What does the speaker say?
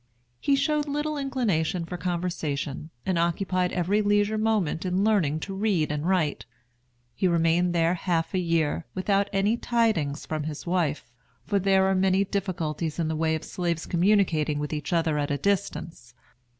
He showed little inclination for conversation, and occupied every leisure moment in learning to read and write. He remained there half a year, without any tidings from his wife; for there are many difficulties in the way of slaves communicating with each other at a distance.